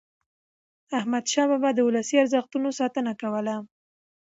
احمدشاه بابا د ولسي ارزښتونو ساتنه کوله.